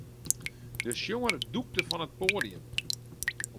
De sjonger dûkte fan it poadium.